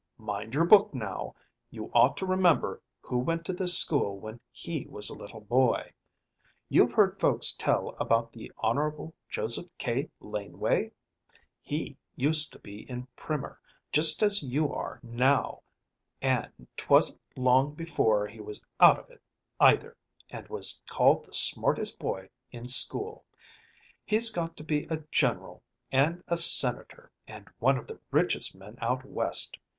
Mind your book, now; you ought to remember who went to this school when he was a little boy. You've heard folks tell about the Honorable Joseph K. Laneway? He used to be in primer just as you are now, and 't wasn't long before he was out of it, either, and was called the smartest boy in school. He's got to be a general and a Senator, and one of the richest men out West.